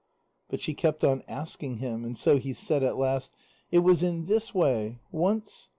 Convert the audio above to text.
But she kept on asking him, and so he said at last: "It was in this way. Once...."